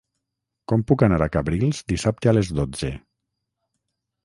Com puc anar a Cabrils dissabte a les dotze?